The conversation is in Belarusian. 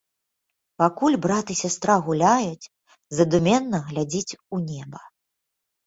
Пакуль брат і сястра гуляюць, задуменна глядзіць у неба.